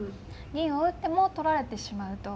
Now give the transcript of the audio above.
銀を打っても取られてしまうと。